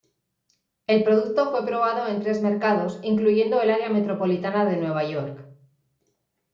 El producto fue probado en tres mercados, incluyendo el área metropolitana de Nueva York.